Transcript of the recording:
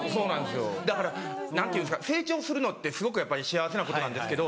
だから何ていうんですか成長するのってすごく幸せなことなんですけど。